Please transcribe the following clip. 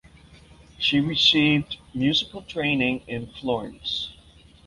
She received musical training in Florence.